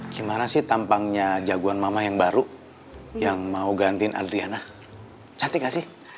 gimana sih tampangnya jagoan mama yang baru yang mau gantiin adriana cantik gak sih